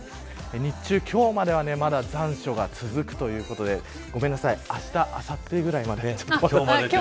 日中、今日まではまだ残暑が続くということであした、あさってぐらいまで。